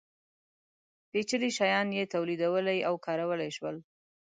پېچلي شیان یې تولیدولی او کارولی شول.